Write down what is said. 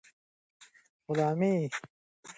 غلامي د انسان لپاره تر ټولو بده ده.